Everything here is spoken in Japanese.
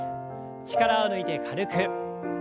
力を抜いて軽く。